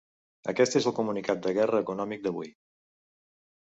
Aquest és el comunicat de guerra econòmic d’avui.